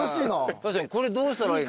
確かにどうしたらいいの？